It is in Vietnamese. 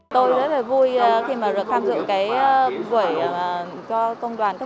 tôi rất là vui khi mà được tham dự cái quẩy